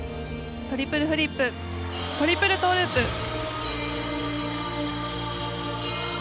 トリプルフリップトリプルトーループ。